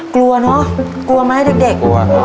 กลัวเนอะกลัวไหมเด็ก